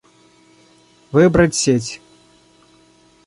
Выбрать сеть